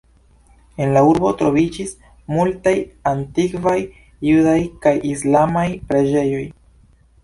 En la urbo troviĝis multaj antikvaj judaj kaj islamaj preĝejoj.